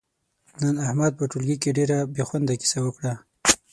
نن احمد په ټولگي کې ډېره بې خونده کیسه وکړه،